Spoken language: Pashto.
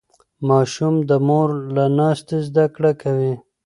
ماشوم د مور له ناستې زده کړه کوي.